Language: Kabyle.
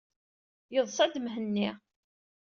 Yeḍsa-d Mhenni.